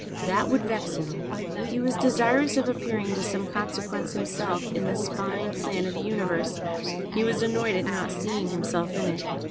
That would vex him; he was desirous of appearing of some consequence himself in this fine plan of the universe, he was annoyed at not seeing himself in it.